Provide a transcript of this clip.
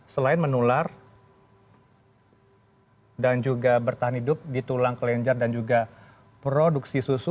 selain menular dan juga bertahan hidup di tulang kelenjar dan juga produksi susu